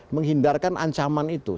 menghindarkan ancaman itu